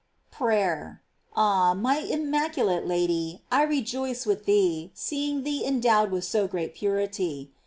PRAYER. All, my immaculate Lady, I rejoice with thee, seeing thee endowed with so great purity.